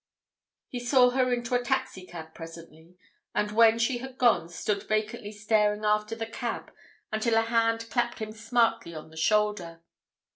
…" He saw her into a taxi cab presently, and when she had gone stood vacantly staring after the cab until a hand clapped him smartly on the shoulder.